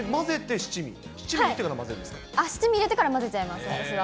七味入れてから混ぜちゃいます、私は。